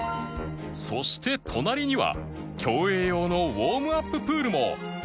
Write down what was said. そして隣には競泳用のウォームアッププールも